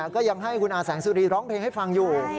ก็ยังให้คุณอาแสงสุรีร้องเพลงให้ฟังอยู่